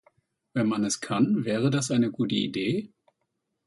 Wenn man es kann, wäre das eine gute Idee?